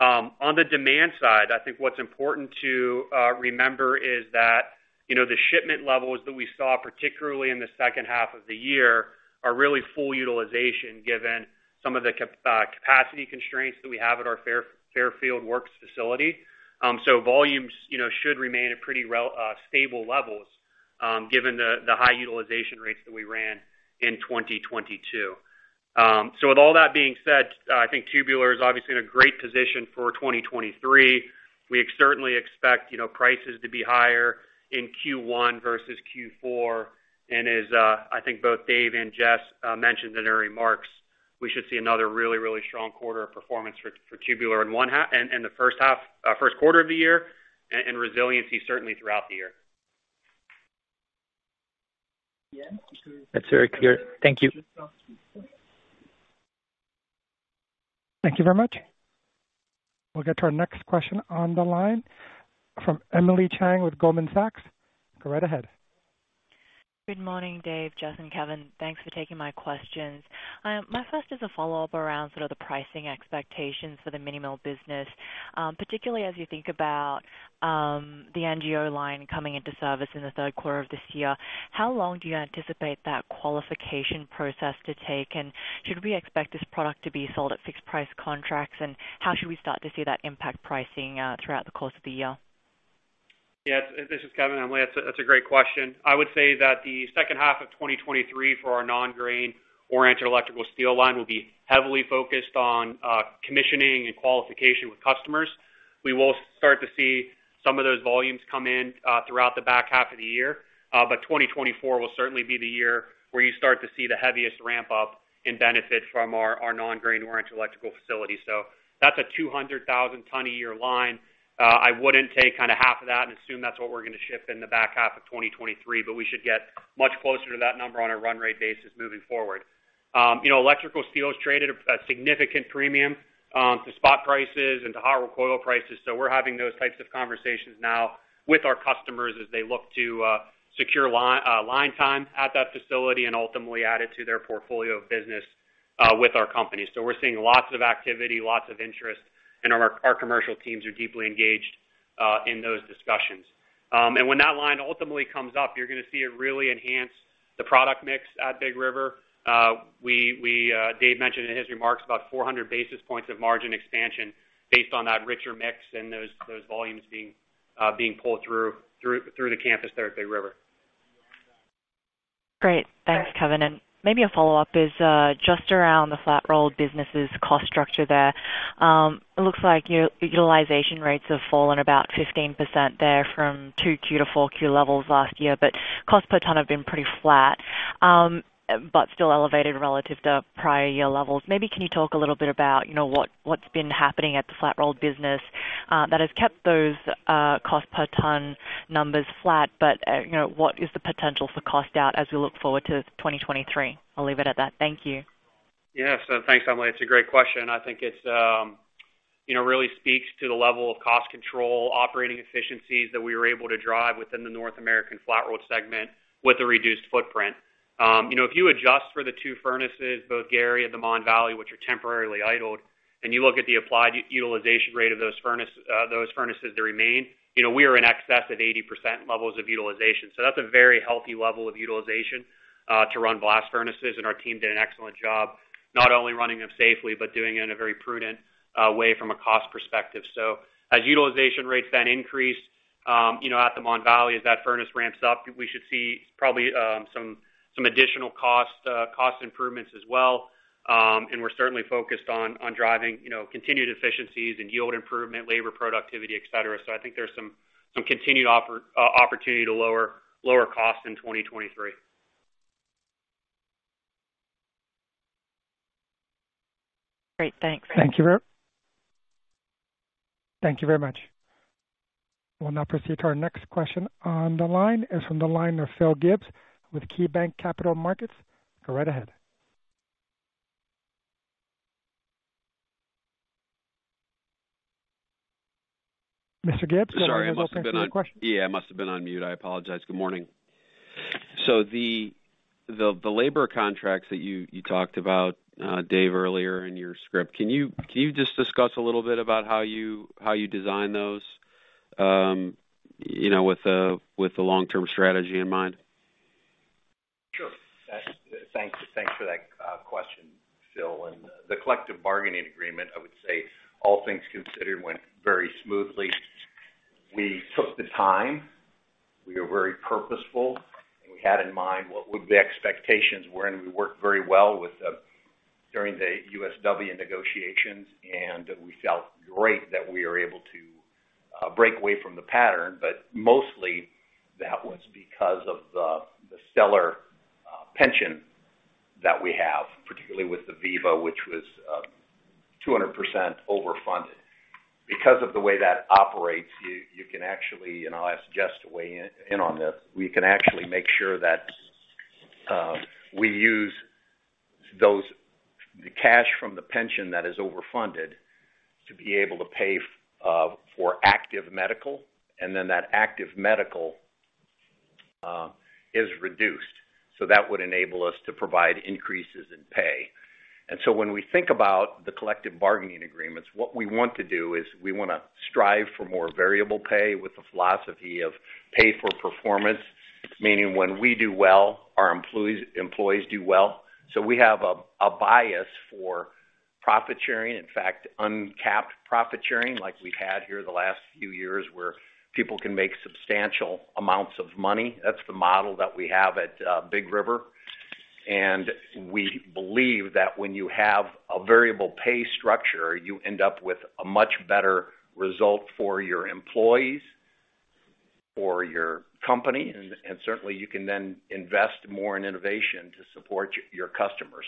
On the demand side, I think what's important to remember is that, you know, the shipment levels that we saw, particularly in the H2 of the year, are really full utilization given some of the capacity constraints that we have at our Fairfield Works facility. Volumes, you know, should remain at pretty stable levels, given the high utilization rates that we ran in 2022. With all that being said, I think Tubular is obviously in a great position for 2023. We certainly expect, you know, prices to be higher in Q1 versus Q4. As I think both Dave and Jess mentioned in their remarks, we should see another really, really strong quarter of performance for Tubular in the Q1 of the year and resiliency certainly throughout the year. That's very clear. Thank you. Thank you very much. We'll get to our next question on the line from Emily Chieng with Goldman Sachs. Go right ahead. Good morning, Dave, Jessica Graziano, Kevin. Thanks for taking my questions. My first is a follow-up around sort of the pricing expectations for the Mini Mill business, particularly as you think about the NGO line coming into service in the Q3 of this year. How long do you anticipate that qualification process to take? And should we expect this product to be sold at fixed-price contracts? And how should we start to see that impact pricing throughout the course of the year? Yes. This is Kevin, Emily. That's a great question. I would say that the H2 of 2023 for our non-grain-oriented electrical steel line will be heavily focused on commissioning and qualification with customers. We will start to see some of those volumes come in throughout the back half of the year. 2024 will certainly be the year where you start to see the heaviest ramp-up and benefit from our non-grain-oriented electrical facility. That's a 200,000 ton a year line. I wouldn't take kind of half of that and assume that's what we're gonna ship in the back half of 2023, but we should get much closer to that number on a run rate basis moving forward. You know, electrical steel is traded a significant premium to spot prices and to hot-rolled coil prices, so we're having those types of conversations now with our customers as they look to secure line time at that facility and ultimately add it to their portfolio of business with our company. We're seeing lots of activity, lots of interest, and our commercial teams are deeply engaged in those discussions. When that line ultimately comes up, you're gonna see it really enhance the product mix at Big River. Dave mentioned in his remarks about 400 basis points of margin expansion based on that richer mix and those volumes being pulled through the campus there at Big River. Great. Thanks, Kevin. Maybe a follow-up is just around the flat rolled business' cost structure there. It looks like utilization rates have fallen about 15% there from 2Q-4Q levels last year, but cost per ton have been pretty flat, but still elevated relative to prior year levels. Maybe can you talk a little bit about, you know, what's been happening at the flat rolled business that has kept those cost per ton numbers flat, but, you know, what is the potential for cost out as we look forward to 2023? I'll leave it at that. Thank you. Yes. Thanks, Emily. It's a great question. I think it's, you know, really speaks to the level of cost control, operating efficiencies that we were able to drive within the North American Flat-Rolled segment with a reduced footprint. You know, if you adjust for the two furnaces, both Gary and the Mon Valley, which are temporarily idled, and you look at the applied utilization rate of those furnaces that remain, you know, we are in excess of 80% levels of utilization. That's a very healthy level of utilization to run blast furnaces. Our team did an excellent job, not only running them safely, but doing it in a very prudent way from a cost perspective. As utilization rates then increase, you know, at the Mon Valley, as that furnace ramps up, we should see probably some additional cost improvements as well. And we're certainly focused on driving, you know, continued efficiencies and yield improvement, labor productivity, et cetera. I think there's some continued opportunity to lower costs in 2023. Great. Thanks. Thank you very much. We'll now proceed to our next question on the line. Is from the line of Philip Gibbs with KeyBanc Capital Markets. Go right ahead. Mr. Gibbs- Sorry. I must have been on- Go ahead with your question. I must have been on mute. I apologize. Good morning. The labor contracts that you talked about, Dave, earlier in your script, can you just discuss a little bit about how you design those, you know, with the long-term strategy in mind? Sure. Thanks. Thanks for that question, Phil. The collective bargaining agreement, I would say, all things considered, went very smoothly. We took the time. We were very purposeful. We had in mind what would the expectations were. We worked very well with them during the USW negotiations. We felt great that we were able to break away from the pattern. Mostly that was because of the stellar pension that we have, particularly with the VEBA, which was 200% overfunded. Because of the way that operates, you can actually, I'll ask Jess to weigh in on this, we can actually make sure that we use the cash from the pension that is overfunded to be able to pay for active medical, then that active medical is reduced. That would enable us to provide increases in pay. When we think about the collective bargaining agreements, what we want to do is we want to strive for more variable pay with the philosophy of pay for performance. Meaning when we do well, our employees do well. We have a bias for profit sharing, in fact, uncapped profit sharing like we had here the last few years where people can make substantial amounts of money. That's the model that we have at Big River. We believe that when you have a variable pay structure, you end up with a much better result for your employees or your company, and certainly you can then invest more in innovation to support your customers.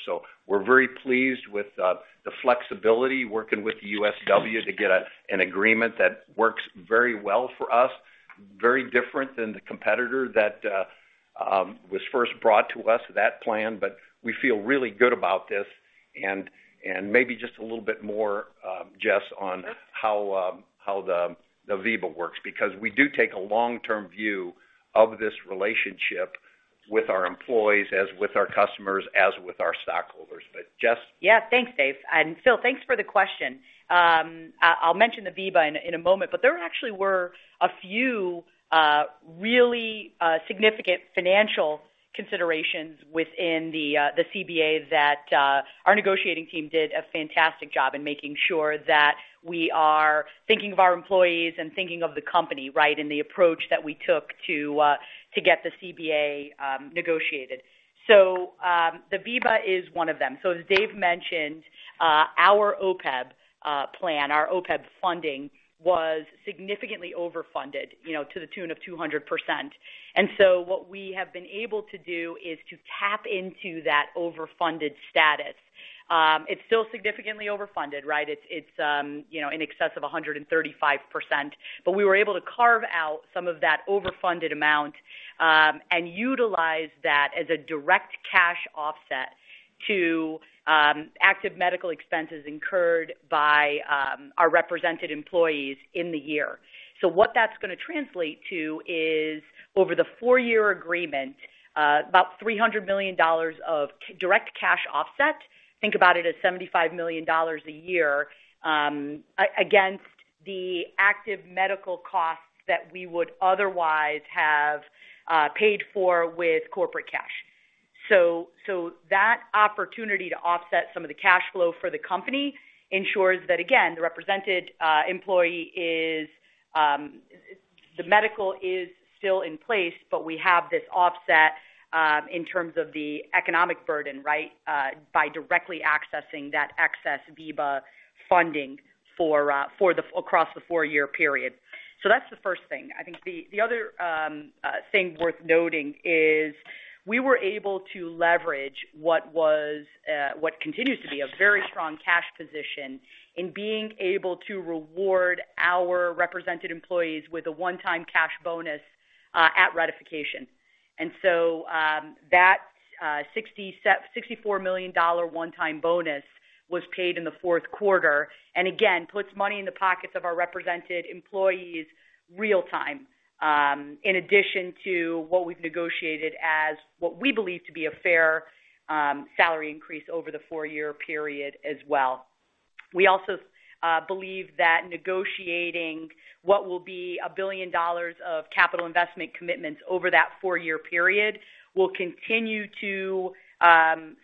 We're very pleased with the flexibility working with the USW to get an agreement that works very well for us. Very different than the competitor that, was first brought to us, that plan. We feel really good about this and maybe just a little bit more, Jess, on how the VEBA works, because we do take a long-term view of this relationship with our employees, as with our customers, as with our stockholders. Jess. Yeah. Thanks, Dave. Phil, thanks for the question. I'll mention the VEBA in a moment, but there actually were a few really significant financial considerations within the CBA that our negotiating team did a fantastic job in making sure that we are thinking of our employees and thinking of the company, right, in the approach that we took to get the CBA negotiated. The VEBA is one of them. As Dave mentioned, our OPEB plan, our OPEB funding was significantly overfunded, you know, to the tune of 200%. What we have been able to do is to tap into that overfunded status. It's still significantly overfunded, right? It's, you know, in excess of 135%. We were able to carve out some of that overfunded amount, and utilize that as a direct cash offset to active medical expenses incurred by our represented employees in the year. What that's gonna translate to is, over the four-year agreement, about $300 million of direct cash offset. Think about it as $75 million a year, against the active medical costs that we would otherwise have paid for with corporate cash. That opportunity to offset some of the cash flow for the company ensures that, again, the represented employee is, the medical is still in place, but we have this offset in terms of the economic burden, right, by directly accessing that excess VEBA funding across the four-year period. That's the first thing. I think the other thing worth noting is we were able to leverage what continues to be a very strong cash position in being able to reward our represented employees with a one-time cash bonus at ratification. That $64 million one-time bonus was paid in the Q4, and again, puts money in the pockets of our represented employees real time in addition to what we've negotiated as what we believe to be a fair salary increase over the four-year period as well. We also believe that negotiating what will be $1 billion of capital investment commitments over that four-year period will continue to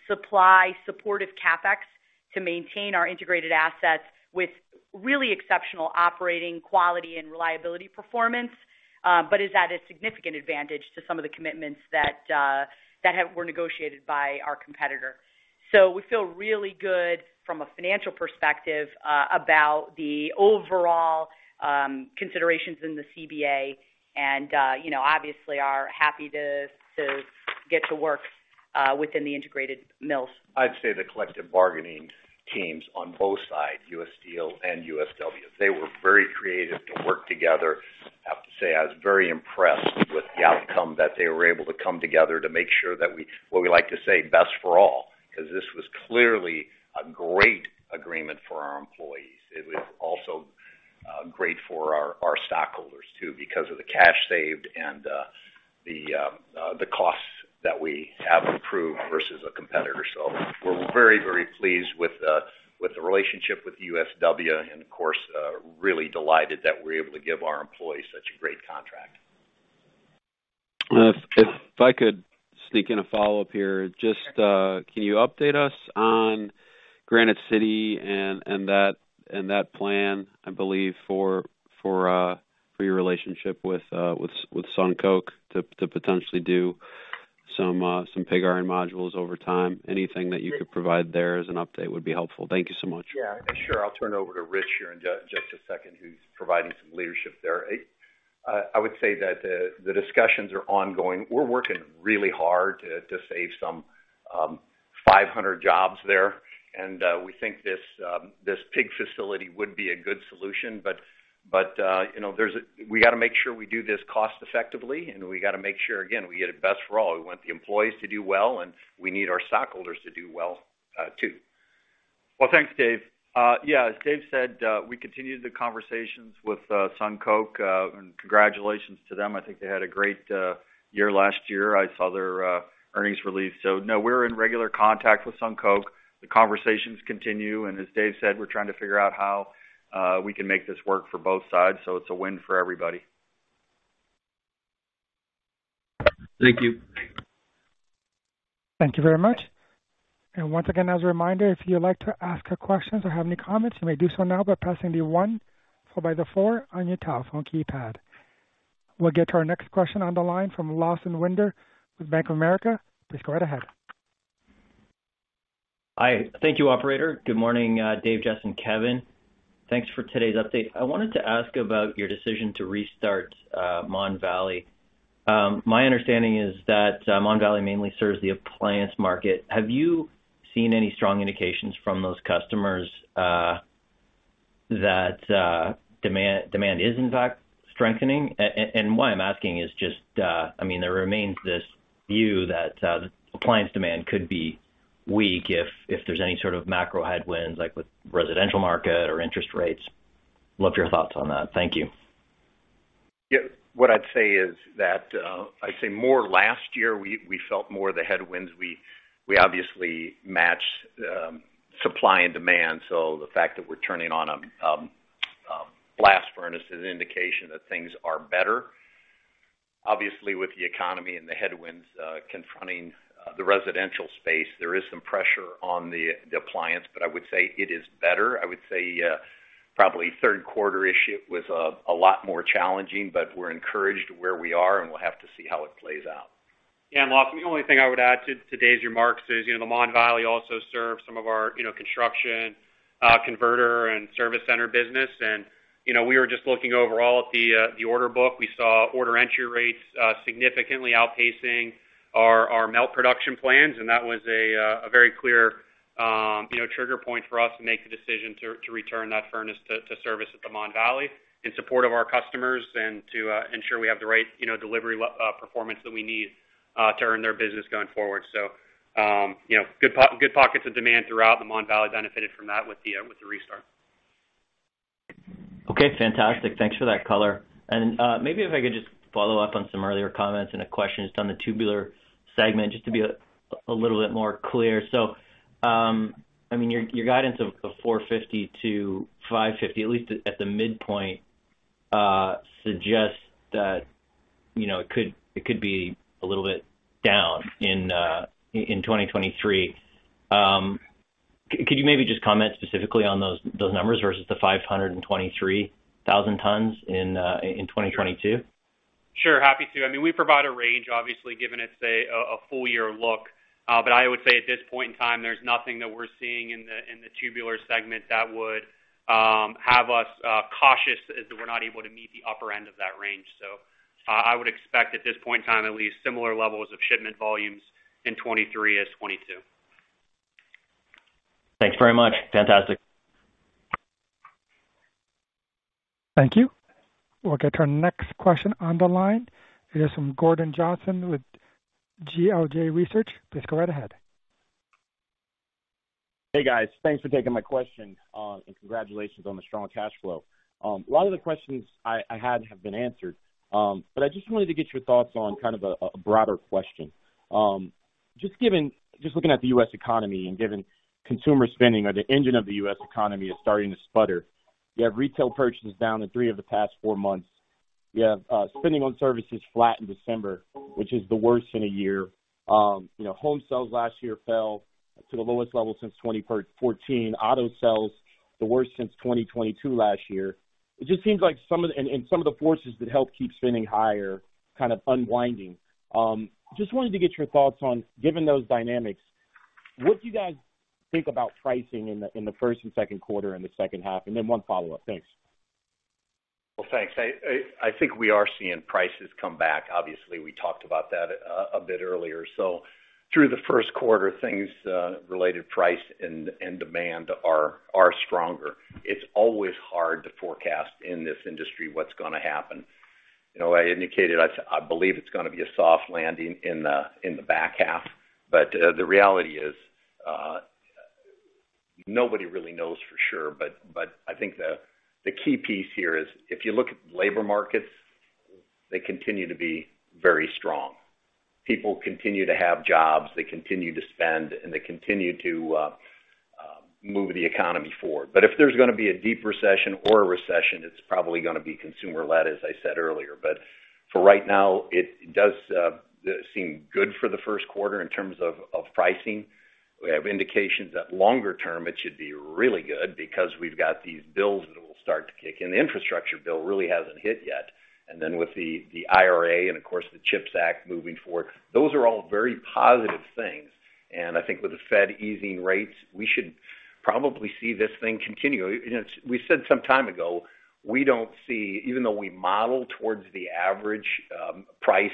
supply supportive CapEx to maintain our integrated assets with really exceptional operating quality and reliability performance, but is at a significant advantage to some of the commitments that were negotiated by our competitor. We feel really good from a financial perspective, about the overall considerations in the CBA and, you know, obviously are happy to get to work within the integrated mills. I'd say the collective bargaining teams on both sides, U.S. Steel and USW, they were very creative to work together. I have to say I was very impressed with the outcome that they were able to come together to make sure that we, what we like to say, Best for All, 'cause this was clearly a great agreement for our employees. It was also great for our stockholders, too, because of the cash saved and the costs that we have improved versus a competitor. We're very, very pleased with the relationship with USW and of course, really delighted that we're able to give our employees such a great contract. If I could sneak in a follow-up here. Just, can you update us on Granite City and that plan, I believe, for your relationship with SunCoke to potentially do some pig iron modules over time. Anything that you could provide there as an update would be helpful. Thank you so much. Yeah, sure. I'll turn it over to Rich here in just a second, who's providing some leadership there. I would say that the discussions are ongoing. We're working really hard to save some 500 jobs there. We think this pig facility would be a good solution, but, you know, We gotta make sure we do this cost-effectively, and we gotta make sure, again, we get it Best for All. We want the employees to do well, and we need our stockholders to do well, too. Well, thanks, Dave. Yeah, as Dave said, we continue the conversations with SunCoke. Congratulations to them. I think they had a great year last year. I saw their earnings release. No, we're in regular contact with SunCoke. The conversations continue, and as Dave said, we're trying to figure out how we can make this work for both sides, so it's a win for everybody. Thank you. Thank you very much. Once again, as a reminder, if you'd like to ask a question or have any comments, you may do so now by pressing the one followed by the four on your telephone keypad. We'll get to our next question on the line from Lawson Winder with Bank of America. Please go right ahead. Hi. Thank you, operator. Good morning, Dave, Jess, and Kevin. Thanks for today's update. I wanted to ask about your decision to restart Mon Valley. My understanding is that Mon Valley mainly serves the appliance market. Have you seen any strong indications from those customers that demand is in fact strengthening? Why I'm asking is just, I mean, there remains this view that the appliance demand could be weak if there's any sort of macro headwinds, like with residential market or interest rates. Love your thoughts on that. Thank you. Yeah. What I'd say is that, I'd say more last year we felt more of the headwinds. We, we obviously matched supply and demand. The fact that we're turning on a blast furnace is an indication that things are better. Obviously, with the economy and the headwinds, confronting the residential space, there is some pressure on the appliance, but I would say it is better. I would say, probably Q3-ish, it was a lot more challenging, but we're encouraged where we are, and we'll have to see how it plays out. Lawson, the only thing I would add to Dave's remarks is, you know, Mon Valley also serves some of our, you know, construction, converter and service center business. You know, we were just looking overall at the order book. We saw order entry rates significantly outpacing our melt production plans, that was a very clear, you know, trigger point for us to make the decision to return that furnace to service at Mon Valley in support of our customers and to ensure we have the right, you know, delivery performance that we need to earn their business going forward. You know, good pockets of demand throughout Mon Valley benefited from that with the restart. Okay. Fantastic. Thanks for that color. Maybe if I could just follow up on some earlier comments and a question just on the Tubular segment, just to be a little bit more clear. I mean, your guidance of $450-$550, at least at the midpoint, suggests that, you know, it could be a little bit down in 2023. Could you maybe just comment specifically on those numbers versus the 523,000 tons in 2022? Sure. Happy to. I mean, we provide a range, obviously, giving it, say, a full year look. I would say at this point in time, there's nothing that we're seeing in the Tubular segment that would have us cautious as to we're not able to meet the upper end of that range. I would expect at this point in time at least similar levels of shipment volumes in 2023 as 2022. Thanks very much. Fantastic. Thank you. We'll get to our next question on the line. It is from Gordon Johnson with GLJ Research. Please go right ahead. Hey, guys. Thanks for taking my question, and congratulations on the strong cash flow. A lot of the questions I had have been answered. I just wanted to get your thoughts on kind of a broader question. Just looking at the U.S. economy and given consumer spending or the engine of the U.S. economy is starting to sputter. You have retail purchases down in three of the past four months. You have spending on services flat in December, which is the worst in a year. You know, home sales last year fell to the lowest level since 2014. Auto sales, the worst since 2022 last year. It just seems like some of the forces that help keep spending higher, kind of unwinding. Just wanted to get your thoughts on, given those dynamics, what do you guys think about pricing in the first and Q2 and the H2? One follow-up. Thanks. Thanks. I think we are seeing prices come back. Obviously, we talked about that a bit earlier. Through the Q1, things related price and demand are stronger. It's always hard to forecast in this industry what's gonna happen. You know, I indicated I believe it's gonna be a soft landing in the back half. The reality is, nobody really knows for sure. I think the key piece here is if you look at labor markets, they continue to be very strong. People continue to have jobs, they continue to spend, and they continue to move the economy forward. If there's gonna be a deep recession or a recession, it's probably gonna be consumer-led, as I said earlier. For right now, it does seem good for the Q1 in terms of pricing. We have indications that longer term, it should be really good because we've got these bills that will start to kick in. The infrastructure bill really hasn't hit yet. Then with the IRA and of course the CHIPS Act moving forward, those are all very positive things. I think with the Fed easing rates, we should probably see this thing continue. You know, we said some time ago, even though we model towards the average price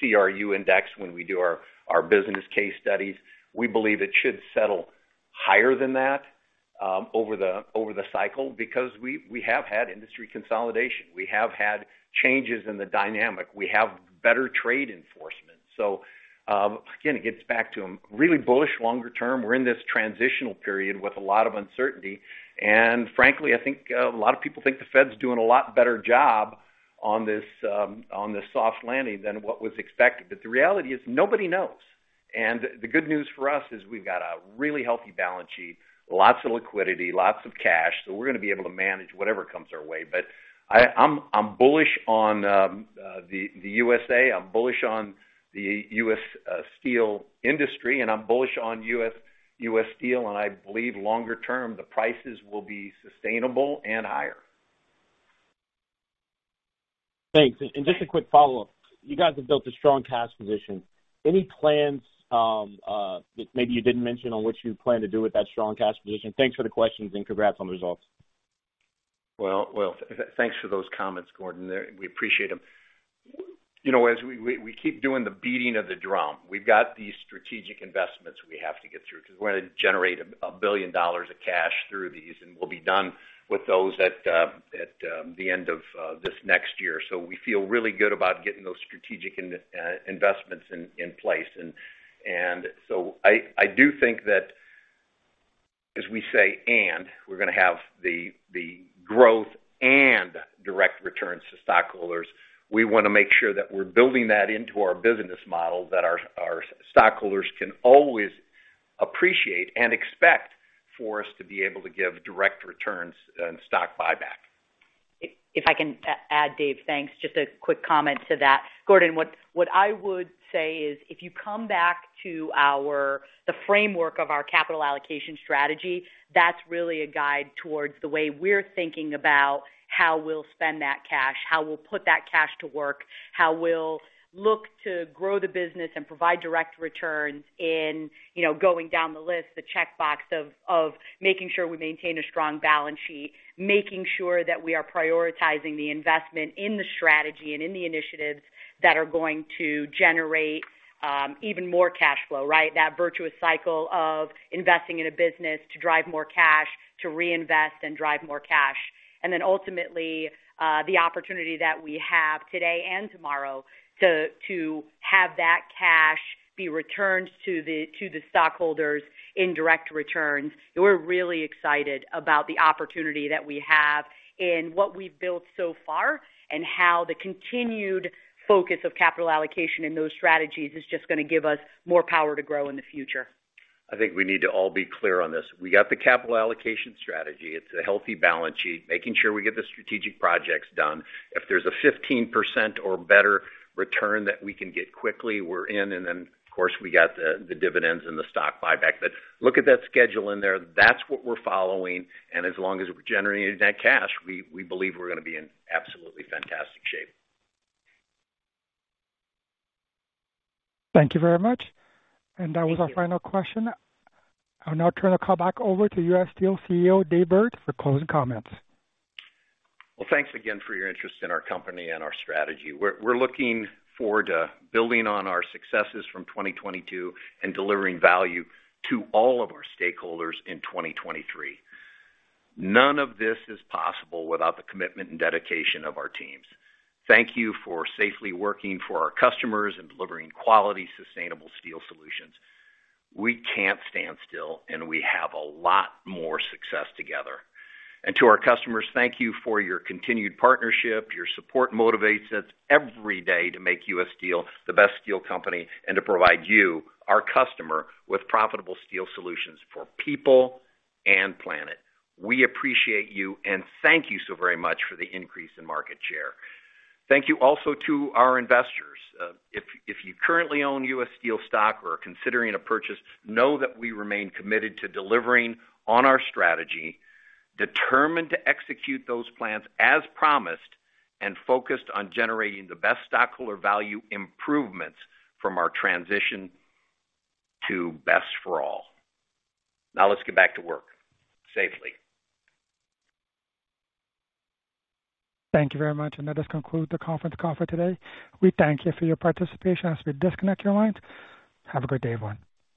CRU index when we do our business case studies, we believe it should settle higher than that over the cycle because we have had industry consolidation. We have had changes in the dynamic. We have better trade enforcement. Again, it gets back to a really bullish longer term. We're in this transitional period with a lot of uncertainty. Frankly, I think a lot of people think the Fed's doing a lot better job on this soft landing than what was expected. The reality is nobody knows. The good news for us is we've got a really healthy balance sheet, lots of liquidity, lots of cash, so we're gonna be able to manage whatever comes our way. I'm bullish on the USA, I'm bullish on the U.S. steel industry, and I'm bullish on U.S. Steel. I believe longer term, the prices will be sustainable and higher. Thanks. Just a quick follow-up. You guys have built a strong cash position. Any plans, maybe you didn't mention on what you plan to do with that strong cash position? Thanks for the questions, and congrats on the results. Well, thanks for those comments, Gordon. We appreciate them. You know, as we keep doing the beating of the drum. We've got these strategic investments we have to get through because we're gonna generate $1 billion of cash through these, and we'll be done with those at the end of this next year. We feel really good about getting those strategic investments in place. I do think that as we say, and we're gonna have the growth and direct returns to stockholders. We wanna make sure that we're building that into our business model, that our stockholders can always appreciate and expect for us to be able to give direct returns and stock buyback. If I can add, Dave, thanks. Just a quick comment to that. Gordon, what I would say is, if you come back to the framework of our capital allocation strategy, that's really a guide towards the way we're thinking about how we'll spend that cash, how we'll put that cash to work, how we'll look to grow the business and provide direct returns in, you know, going down the list, the checkbox of making sure we maintain a strong balance sheet. Making sure that we are prioritizing the investment in the strategy and in the initiatives that are going to generate even more cash flow, right? That virtuous cycle of investing in a business to drive more cash, to reinvest and drive more cash. Ultimately, the opportunity that we have today and tomorrow to have that cash be returned to the stockholders in direct returns. We're really excited about the opportunity that we have in what we've built so far and how the continued focus of capital allocation in those strategies is just gonna give us more power to grow in the future. I think we need to all be clear on this. We got the capital allocation strategy. It's a healthy balance sheet, making sure we get the strategic projects done. If there's a 15% or better return that we can get quickly, we're in. Of course, we got the dividends and the stock buyback. Look at that schedule in there. That's what we're following. As long as we're generating that cash, we believe we're gonna be in absolutely fantastic shape. Thank you very much. Thank you. That was our final question. I'll now turn the call back over to U.S. Steel CEO, Dave Burritt, for closing comments. Well, thanks again for your interest in our company and our strategy. We're looking forward to building on our successes from 2022 and delivering value to all of our stakeholders in 2023. None of this is possible without the commitment and dedication of our teams. Thank you for safely working for our customers and delivering quality, sustainable steel solutions. We can't stand still, and we have a lot more success together. To our customers, thank you for your continued partnership. Your support motivates us every day to make U.S. Steel the best steel company and to provide you, our customer, with profitable steel solutions for people and planet. We appreciate you, and thank you so very much for the increase in market share. Thank you also to our investors. If you currently own U.S. Steel stock or are considering a purchase, know that we remain committed to delivering on our strategy, determined to execute those plans as promised, and focused on generating the best stockholder value improvements from our transition to Best for All. Let's get back to work safely. Thank you very much. That does conclude the conference call for today. We thank you for your participation. As we disconnect your lines, have a good day, everyone.